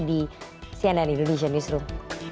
di cnn indonesian newsroom